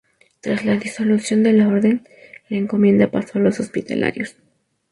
Tras la disolución de la Orden, la encomienda paso a los hospitalarios.